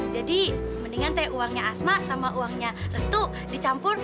jadi mendingan teh uangnya asma sama uangnya restu dicampur